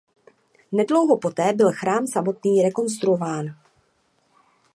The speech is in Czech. Nedlouho poté byl chrám samotný rekonstruován.